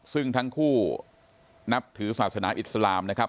ซึ่งทั้งคู่นับถือศาสนาอิสลามนะครับ